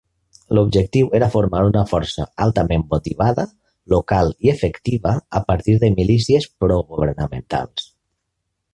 L'objectiu era formar una força altament motivada, local i efectiva a partir de milícies progovernamentals.